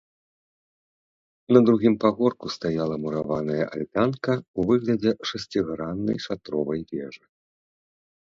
На другім пагорку стаяла мураваная альтанка ў выглядзе шасціграннай шатровай вежы.